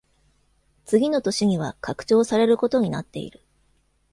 次の年には拡張されることになっている。